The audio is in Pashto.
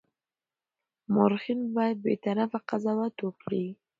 مورخین باید بېطرفه قضاوت وکړي.